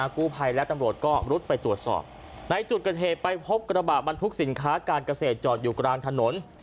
กู้ภัยและตำรวจก็รุดไปตรวจสอบในจุดเกิดเหตุไปพบกระบะบรรทุกสินค้าการเกษตรจอดอยู่กลางถนน